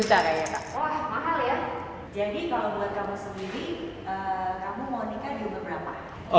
wah mahal ya jadi kalo bulet kamu sendiri kamu mau nikah di umur berapa